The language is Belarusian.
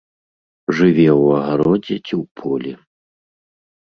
Жыве ў агародзе ці ў полі.